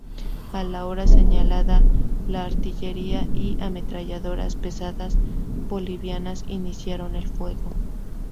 A la hora señalada, la artillería y ametralladoras pesadas bolivianas iniciaron el fuego.